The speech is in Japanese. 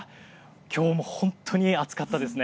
今日も本当に暑かったですね。